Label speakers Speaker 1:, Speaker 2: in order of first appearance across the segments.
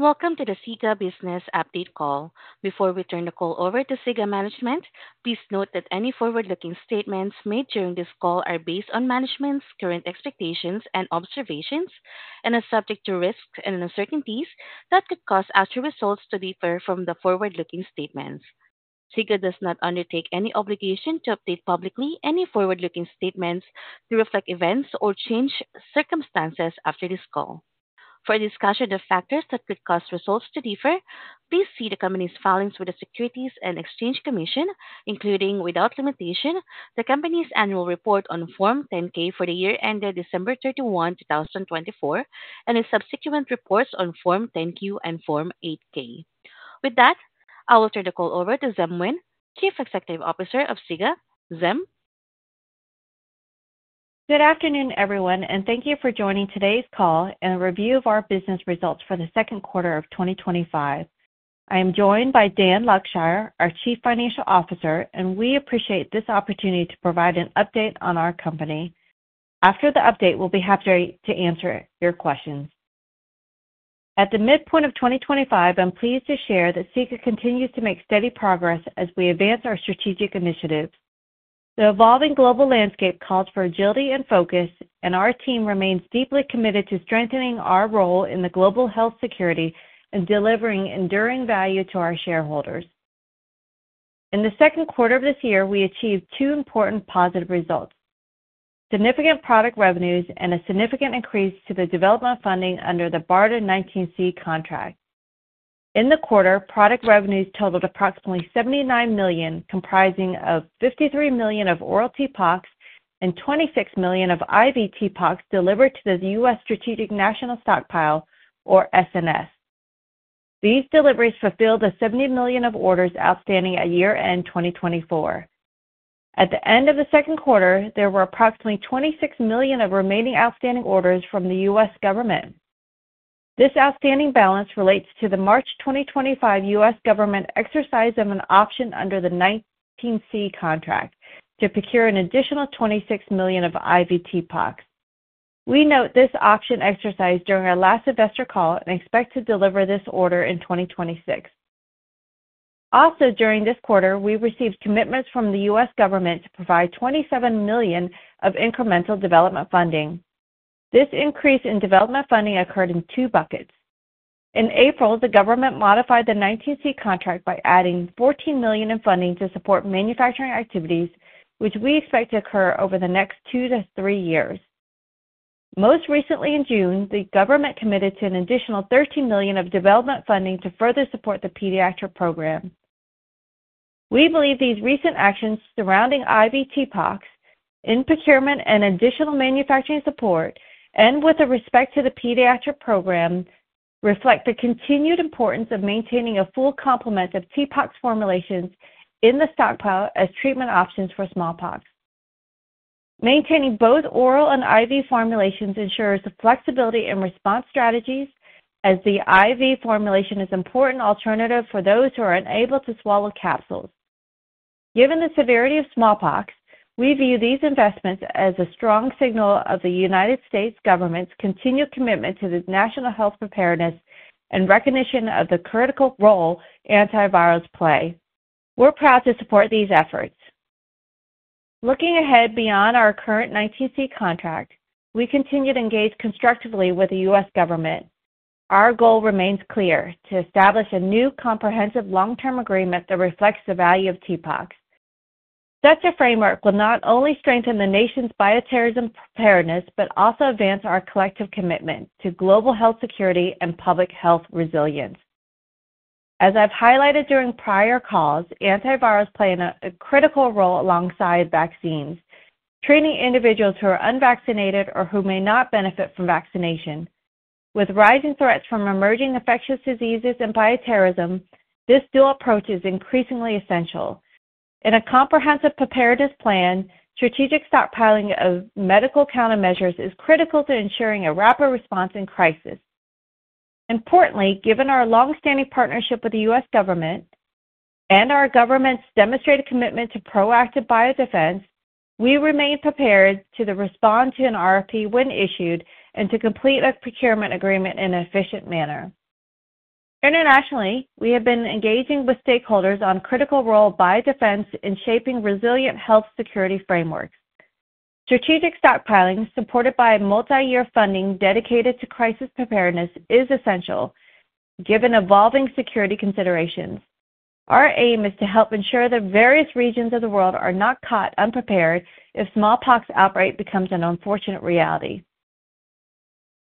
Speaker 1: Welcome to the SIGA Business Update Call. Before we turn the call over to SIGA management, please note that any forward-looking statements made during this call are based on management's current expectations and observations and are subject to risks and uncertainties that could cause actual results to differ from the forward-looking statements. SIGA does not undertake any obligation to update publicly any forward-looking statements to reflect events or change circumstances after this call. For a discussion of the factors that could cause results to differ, please see the company's filings with the Securities and Exchange Commission, including, without limitation, the company's annual report on Form 10-K for the year ended December 31, 2024, and the subsequent reports on Form 10-Q and Form 8-K. With that, I will turn the call over to Diem Nguyen, Chief Executive Officer of SIGA. Diem?
Speaker 2: Good afternoon, everyone, and thank you for joining today's call and a review of our business results for the second quarter of 2025. I am joined by Dan Luckshire, our Chief Financial Officer, and we appreciate this opportunity to provide an update on our company. After the update, we'll be happy to answer your questions. At the midpoint of 2025, I'm pleased to share that SIGA continues to make steady progress as we advance our strategic initiatives. The evolving global landscape calls for agility and focus, and our team remains deeply committed to strengthening our role in global health security and delivering enduring value to our shareholders. In the second quarter of this year, we achieved two important positive results: significant product revenues and a significant increase to the development funding under the BARDA 19C contract. In the quarter, product revenues totaled approximately $79 million, comprising $53 million of oral TPOXX and $26 million of IV TPOXX delivered to the U.S. Strategic National Stockpile, or SNS. These deliveries fulfilled the $70 million of orders outstanding at year-end 2024. At the end of the second quarter, there were approximately $26 million of remaining outstanding orders from the U.S. government. This outstanding balance relates to the March 2025 U.S. government exercise of an option under the 19C contract to procure an additional $26 million of IV TPOXX. We noted this option exercised during our last Investor Call and expect to deliver this order in 2026. Also, during this quarter, we received commitments from the U.S. government to provide $27 million of incremental development funding. This increase in development funding occurred in two buckets. In April, the government modified the 19C contract by adding $14 million in funding to support manufacturing activities, which we expect to occur over the next two to three years. Most recently, in June, the government committed to an additional $13 million of development funding to further support the pediatric program. We believe these recent actions surrounding IV TPOXX in procurement and additional manufacturing support, and with respect to the pediatric program, reflect the continued importance of maintaining a full complement of TPOXX formulations in the stockpile as treatment options for smallpox. Maintaining both oral and IV formulations ensures flexibility in response strategies, as the IV formulation is an important alternative for those who are unable to swallow capsules. Given the severity of smallpox, we view these investments as a strong signal of the U.S. government's continued commitment to national health preparedness and recognition of the critical role antivirals play. We're proud to support these efforts. Looking ahead beyond our current BARDA 19C contract, we continue to engage constructively with the U.S. government. Our goal remains clear: to establish a new comprehensive long-term agreement that reflects the value of TPOXX. Such a framework will not only strengthen the nation's bioterrorism preparedness but also advance our collective commitment to global health security and public health resilience. As I've highlighted during prior calls, antivirals play a critical role alongside vaccines, treating individuals who are unvaccinated or who may not benefit from vaccination. With rising threats from emerging infectious diseases and bioterrorism, this dual approach is increasingly essential. In a comprehensive preparedness plan, strategic stockpiling of medical countermeasures is critical to ensuring a rapid response in crises. Importantly, given our longstanding partnership with the U.S. government and our government's demonstrated commitment to proactive biodefense, we remain prepared to respond to an RFP when issued and to complete a procurement agreement in an efficient manner. Internationally, we have been engaging with stakeholders on the critical role of biodefense in shaping resilient health security frameworks. Strategic stockpiling, supported by multi-year funding dedicated to crisis preparedness, is essential, given evolving security considerations. Our aim is to help ensure the various regions of the world are not caught unprepared if a smallpox outbreak becomes an unfortunate reality.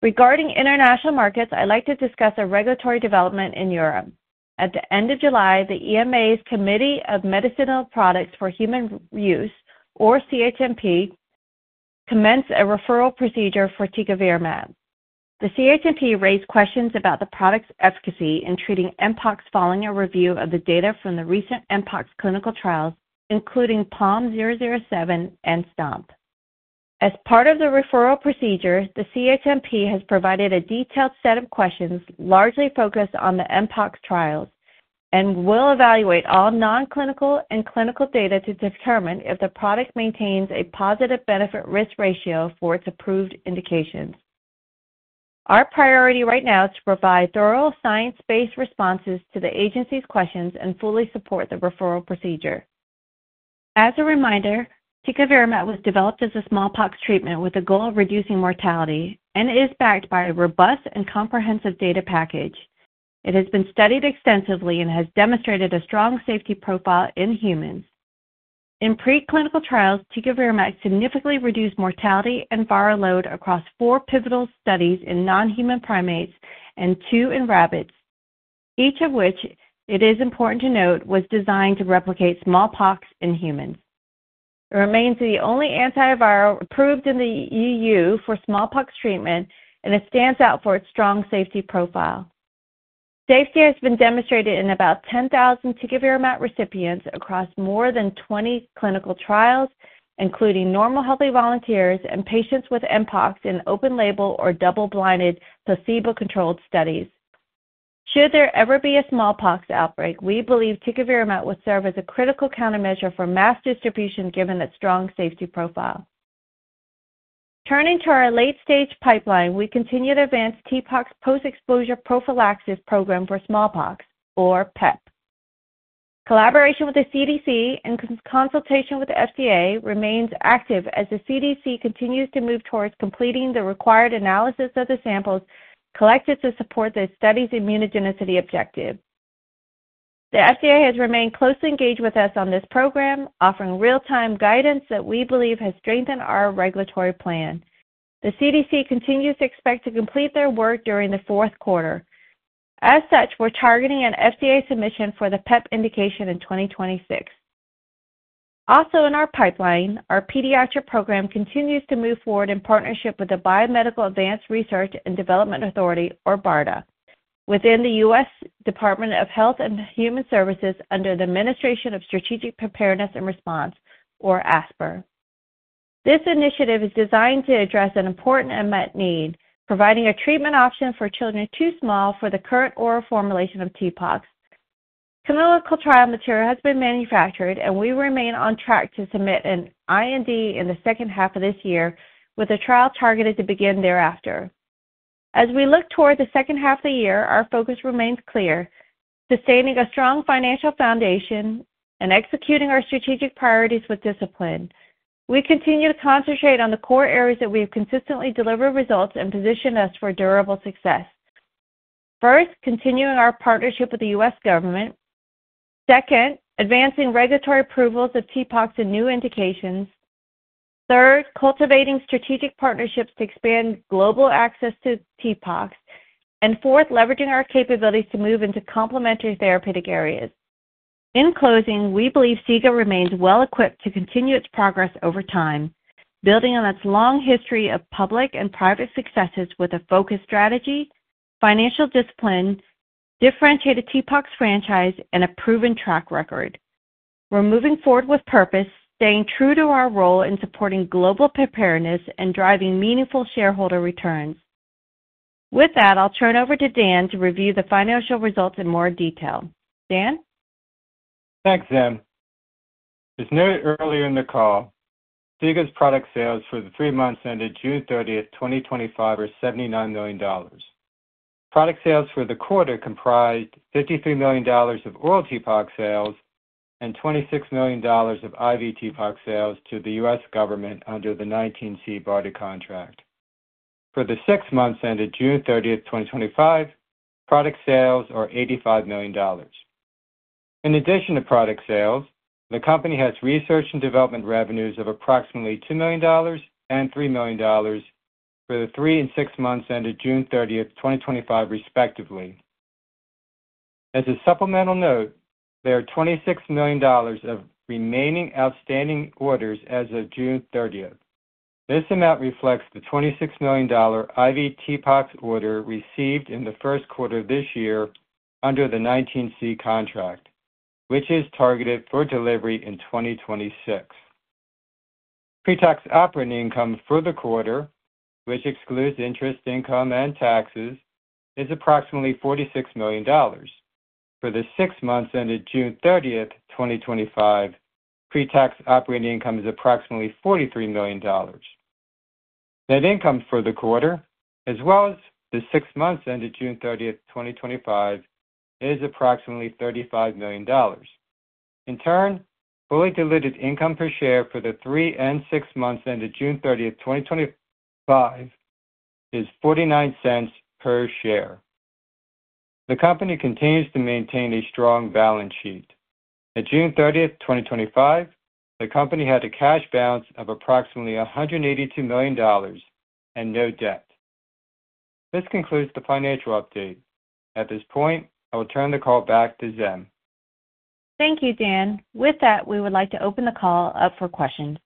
Speaker 2: Regarding international markets, I'd like to discuss a regulatory development in Europe. At the end of July, the EMA's Committee for Medicinal Products for Human Use, or CHMP, commenced a referral procedure for tecovirimat. The CHMP raised questions about the product's efficacy in treating Mpox following a review of the data from the recent Mpox clinical trials, including POM-007 and STOMP. As part of the referral procedure, the CHMP has provided a detailed set of questions largely focused on the Mpox trials and will evaluate all non-clinical and clinical data to determine if the product maintains a positive benefit-risk ratio for its approved indication. Our priority right now is to provide thorough science-based responses to the agency's questions and fully support the referral procedure. As a reminder, tecovirimat was developed as a smallpox treatment with the goal of reducing mortality and is backed by a robust and comprehensive data package. It has been studied extensively and has demonstrated a strong safety profile in humans. In preclinical trials, tecovirimat significantly reduced mortality and viral load across four pivotal studies in non-human primates and two in rabbits, each of which, it is important to note, was designed to replicate smallpox in humans. It remains the only antiviral approved in the EU for smallpox treatment, and it stands out for its strong safety profile. Safety has been demonstrated in about 10,000 Tecovirimat recipients across more than 20 clinical trials, including normal healthy volunteers and patients with Mpox in open-label or double-blinded placebo-controlled studies. Should there ever be a smallpox outbreak, we believe tecovirimat would serve as a critical countermeasure for mass distribution, given its strong safety profile. Turning to our late-stage pipeline, we continue to advance TPOXX post-exposure prophylaxis program for smallpox, or PEP. Collaboration with the CDC and consultation with the FDA remains active as the CDC continues to move towards completing the required analysis of the samples collected to support the study's immunogenicity objective. The FDA has remained closely engaged with us on this program, offering real-time guidance that we believe has strengthened our regulatory plan. The CDC continues to expect to complete their work during the fourth quarter. As such, we're targeting an FDA submission for the PEP indication in 2026. Also in our pipeline, our pediatric program continues to move forward in partnership with the Biomedical Advanced Research and Development Authority, or BARDA, within the U.S. Department of Health and Human Services under the Administration of Strategic Preparedness and Response, or ASPR. This initiative is designed to address an important unmet need, providing a treatment option for children too small for the current oral formulation of TPOXX. Clinical trial material has been manufactured, and we remain on track to submit an IND in the second half of this year, with a trial targeted to begin thereafter. As we look toward the second half of the year, our focus remains clear: sustaining a strong financial foundation and executing our strategic priorities with discipline. We continue to concentrate on the core areas that we have consistently delivered results and positioned us for durable success. First, continuing our partnership with the U.S. government. Second, advancing regulatory approvals of TPOXX and new indications. Third, cultivating strategic partnerships to expand global access to TPOXX. Fourth, leveraging our capabilities to move into complementary therapeutic areas. In closing, we believe SIGA remains well-equipped to continue its progress over time, building on its long history of public and private successes with a focused strategy, financial discipline, differentiated TPOXX franchise, and a proven track record. We're moving forward with purpose, staying true to our role in supporting global preparedness and driving meaningful shareholder returns. With that, I'll turn over to Dan to review the financial results in more detail. Dan?
Speaker 3: Thanks, Diem. As noted earlier in the call, SIGA's product sales for the three months ended June 30, 2025, were $79 million. Product sales for the quarter comprised $53 million of oral TPOXX sales and $26 million of IV TPOXX sales to the U.S. government under the BARDA 19C contract. For the six months ended June 30, 2025, product sales are $85 million. In addition to product sales, the company has research and development revenues of approximately $2 million and $3 million for the three and six months ended June 30, 2025, respectively. As a supplemental note, there are $26 million of remaining outstanding orders as of June 30. This amount reflects the $26 million IV TPOXX order received in the first quarter of this year under the BARDA 19C contract, which is targeted for delivery in 2026. Pre-tax operating income for the quarter, which excludes interest, income, and taxes, is approximately $46 million. For the six months ended June 30, 2025, pre-tax operating income is approximately $43 million. Net income for the quarter, as well as the six months ended June 30, 2025, is approximately $35 million. In turn, fully-diluted income per share for the three and six months ended June 30, 2025, is $0.49 per share. The company continues to maintain a strong balance sheet. At June 30, 2025, the company had a cash balance of approximately $182 million and no debt. This concludes the financial update. At this point, I will turn the call back to Diem.
Speaker 2: Thank you, Dan. With that, we would like to open the call up for questions.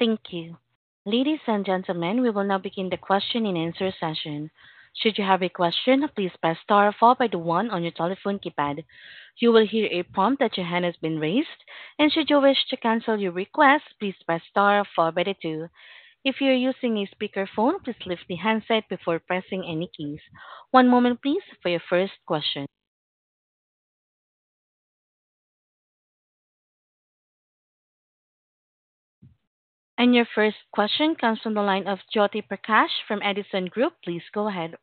Speaker 1: Thank you. Ladies and gentlemen, we will now begin the question-and-answer session. Should you have a question, please press star followed by the one on your telephone keypad. You will hear a prompt that your hand has been raised, and should you wish to cancel your request, please press star followed by the two. If you are using a speakerphone, please lift the handset before pressing any keys. One moment, please, for your first question. Your first question comes from the line of Jyoti Prakash from Edison Group. Please go ahead.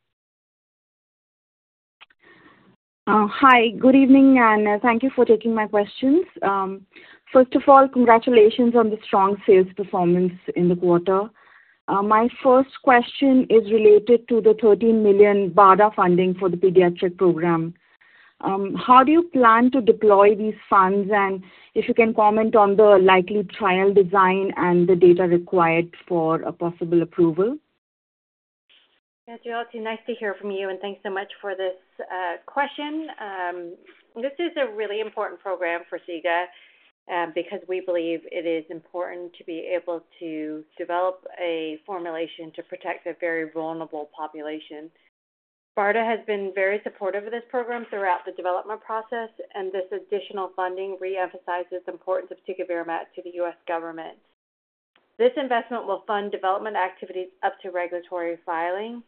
Speaker 4: Hi. Good evening, and thank you for taking my questions. First of all, congratulations on the strong sales performance in the quarter. My first question is related to the $30 million BARDA funding for the pediatric program. How do you plan to deploy these funds, and if you can comment on the likely trial design and the data required for a possible approval?
Speaker 2: Yeah, Jyoti, nice to hear from you, and thanks so much for this question. This is a really important program for SIGA because we believe it is important to be able to develop a formulation to protect a very vulnerable population. BARDA has been very supportive of this program throughout the development process, and this additional funding reemphasizes the importance of tecovirimat to the U.S. government. This investment will fund development activities up to regulatory filing.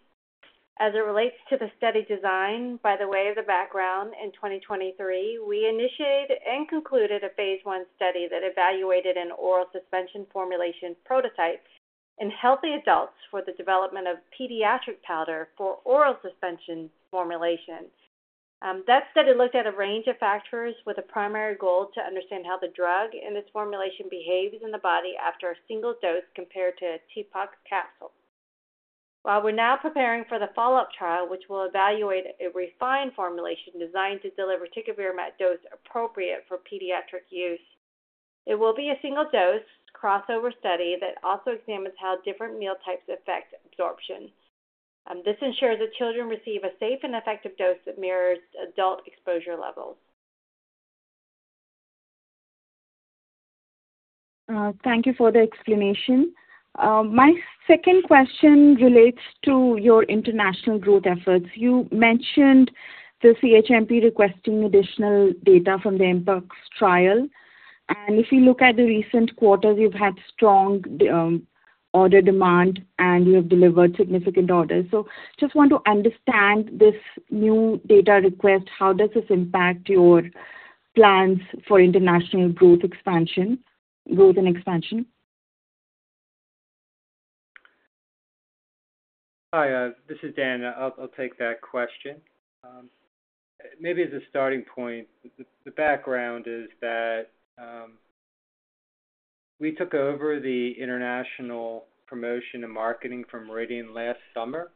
Speaker 2: As it relates to the study design, by way of background, in 2023, we initiated and concluded a phase I study that evaluated an oral suspension formulation prototype in healthy adults for the development of pediatric powder for oral suspension formulations. That study looked at a range of factors with a primary goal to understand how the drug and its formulation behave in the body after a single dose compared to a TPOXX capsule. While we're now preparing for the follow-up trial, which will evaluate a refined formulation designed to deliver tecovirimat dose-appropriate for pediatric use, it will be a single-dose crossover study that also examines how different meal types affect absorption. This ensures that children receive a safe and effective dose that mirrors adult exposure levels.
Speaker 4: Thank you for the explanation. My second question relates to your international growth efforts. You mentioned the CHMP requesting additional data from the Mpox trial. If you look at the recent quarter, you've had strong order demand, and you have delivered significant orders. I just want to understand this new data request. How does this impact your plans for international growth and expansion?
Speaker 3: Hi. This is Dan. I'll take that question. Maybe as a starting point, the background is that we took over the international promotion and marketing from Radiant last summer.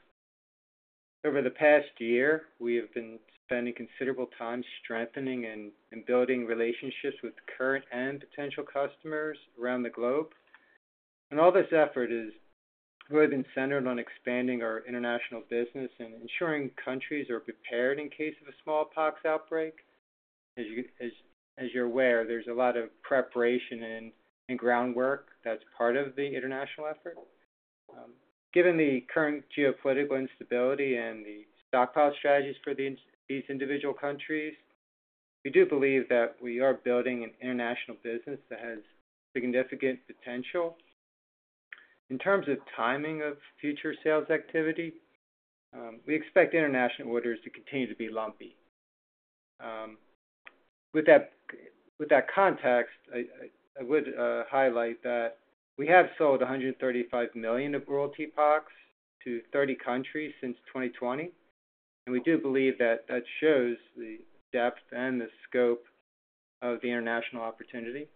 Speaker 3: Over the past year, we have been spending considerable time strengthening and building relationships with current and potential customers around the globe. All this effort has really been centered on expanding our international business and ensuring countries are prepared in case of a smallpox outbreak. As you're aware, there's a lot of preparation and groundwork that's part of the international effort. Given the current geopolitical instability and the stockpile strategies for these individual countries, we do believe that we are building an international business that has significant potential. In terms of timing of future sales activity, we expect international orders to continue to be lumpy. With that context, I would highlight that we have sold 135 million oral TPOXX to 30 countries since 2020, and we do believe that that shows the depth and the scope of the international opportunity.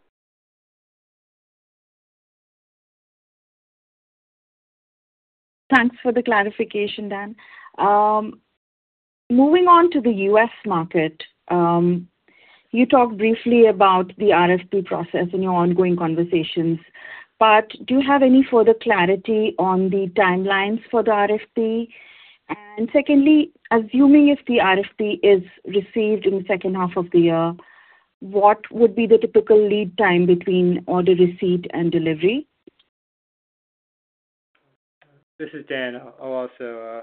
Speaker 4: Thanks for the clarification, Dan. Moving on to the U.S. market, you talked briefly about the RFP process in your ongoing conversations, but do you have any further clarity on the timelines for the RFP? Secondly, assuming if the RFP is received in the second half of the year, what would be the typical lead time between order receipt and delivery?
Speaker 3: This is Dan. I'll also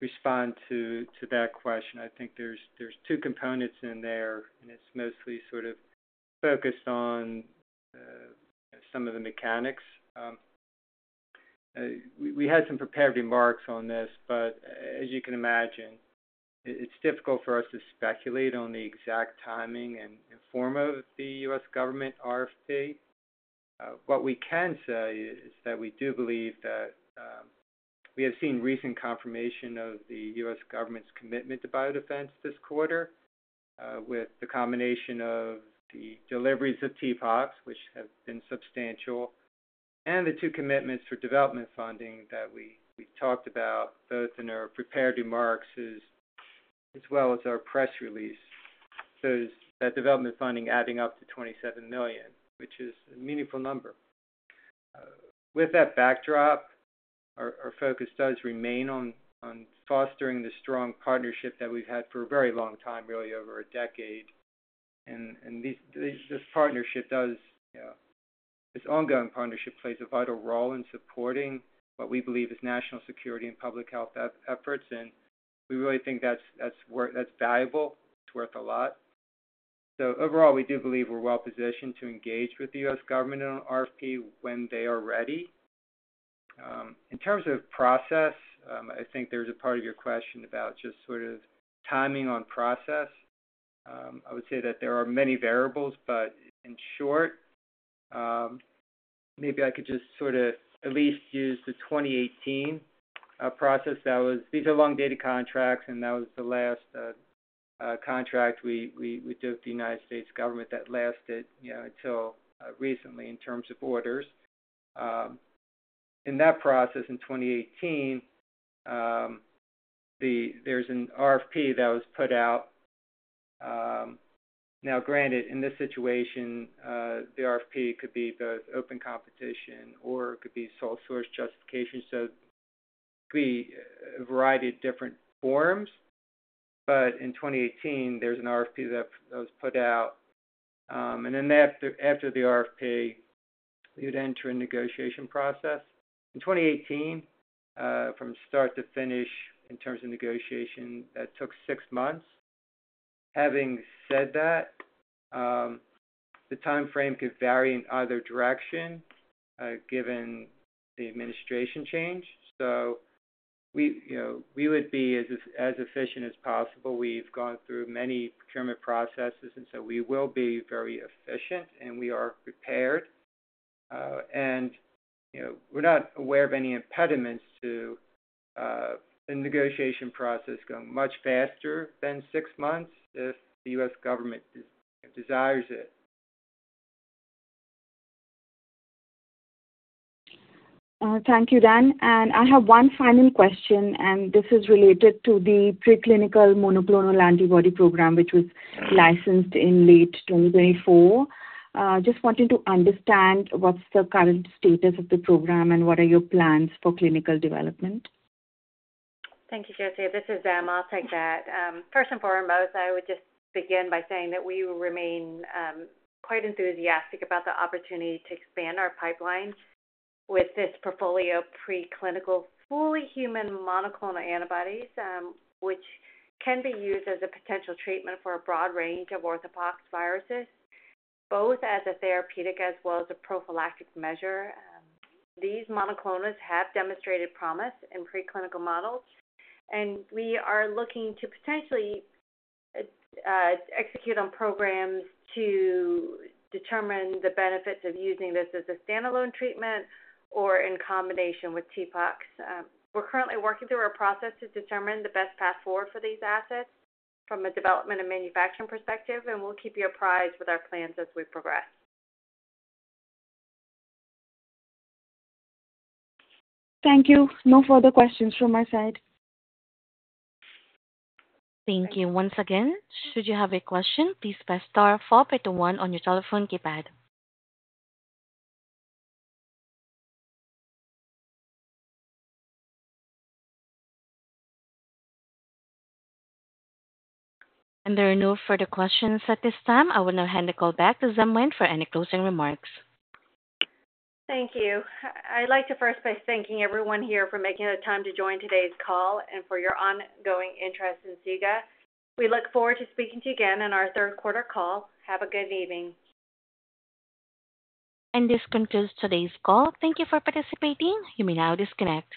Speaker 3: respond to that question. I think there's two components in there, and it's mostly sort of focused on some of the mechanics. We had some prepared remarks on this, but as you can imagine, it's difficult for us to speculate on the exact timing and form of the U.S. government RFP. What we can say is that we do believe that we have seen recent confirmation of the U.S. government's commitment to biodefense this quarter with the combination of the deliveries of TPOXX, which have been substantial, and the two commitments for development funding that we talked about both in our prepared remarks as well as our press release, that development funding adding up to $27 million, which is a meaningful number. With that backdrop, our focus does remain on fostering the strong partnership that we've had for a very long time, really over a decade. This partnership does, this ongoing partnership plays a vital role in supporting what we believe is national security and public health efforts, and we really think that's valuable. It's worth a lot. Overall, we do believe we're well-positioned to engage with the U.S. government on RFP when they are ready. In terms of process, I think there's a part of your question about just sort of timing on process. I would say that there are many variables, but in short, maybe I could just sort of at least use the 2018 process. These are long-dated contracts, and that was the last contract we did with the United States government that lasted until recently in terms of orders. In that process in 2018, there's an RFP that was put out. Now, granted, in this situation, the RFP could be both open competition or it could be sole-source justification. It could be a variety of different forms. In 2018, there's an RFP that was put out. After the RFP, you'd enter a negotiation process. In 2018, from start to finish in terms of negotiation, that took six months. Having said that, the timeframe could vary in either direction given the administration change. We would be as efficient as possible. We've gone through many procurement processes, and we will be very efficient, and we are prepared. We're not aware of any impediments to the negotiation process going much faster than six months if the U.S. government desires it.
Speaker 4: Thank you, Dan. I have one final question, and this is related to the preclinical monoclonal antibody program, which was licensed in late 2024. Just wanting to understand what's the current status of the program and what are your plans for clinical development.
Speaker 2: Thank you, Jyoti. This is Diem. I'll take that. First and foremost, I would just begin by saying that we remain quite enthusiastic about the opportunity to expand our pipeline with this portfolio of preclinical fully human monoclonal antibodies, which can be used as a potential treatment for a broad range of orthopoxviruses, both as a therapeutic as well as a prophylactic measure. These monoclonal antibodies have demonstrated promise in preclinical models, and we are looking to potentially execute on programs to determine the benefits of using this as a standalone treatment or in combination with TPOXX. We're currently working through our process to determine the best path forward for these assets from a development and manufacturing perspective, and we'll keep you apprised with our plans as we progress.
Speaker 4: Thank you. No further questions from my side.
Speaker 1: Thank you. Once again, should you have a question, please press star followed by the one on your telephone keypad. There are no further questions at this time. I will now hand the call back to Diem Nguyen for any closing remarks.
Speaker 2: Thank you. I'd like to first say thank you to everyone here for making the time to join today's call and for your ongoing interest in SIGA. We look forward to speaking to you again on our third-quarter call. Have a good evening.
Speaker 1: This concludes today's call. Thank you for participating. You may now disconnect.